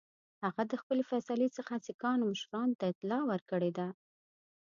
هغه د خپلي فیصلې څخه سیکهانو مشرانو ته اطلاع ورکړې ده.